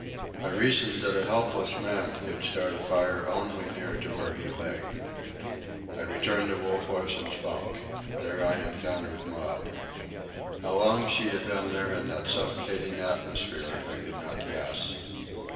I reasoned that a helpless man could start a fire only near to where he lay. I returned to Wolf Larsen's bunk. There I encountered Maud. How long she had been there in that suffocating atmosphere I could not guess.